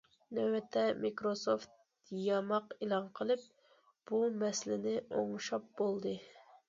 نۆۋەتتە مىكروسوفت ياماق ئېلان قىلىپ بۇ مەسىلىنى ئوڭشاپ بولدى.